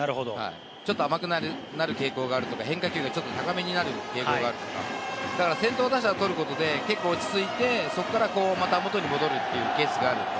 ちょっと甘くなる傾向があったり、変化球が高めになる傾向があったりとか、先頭打者をとることで、結構落ち着いて、そこからまた元に戻るというケースがある。